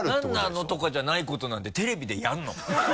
何なの？とかじゃないことなんてテレビでやるの？